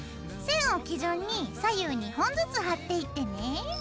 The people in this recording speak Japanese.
線を基準に左右２本ずつ貼っていってね。